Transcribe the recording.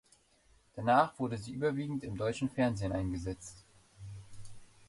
Danach wurde sie überwiegend im deutschen Fernsehen eingesetzt.